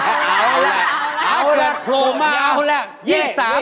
เอาล่ะโพรมาเอาล่ะ